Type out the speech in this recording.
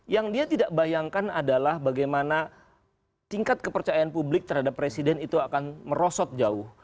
yang dia tidak bayangkan adalah bagaimana tingkat kepercayaan publik terhadap presiden itu akan merosot jauh